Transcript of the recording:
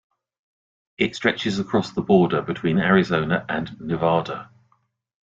It stretches across the border between Arizona and Nevada.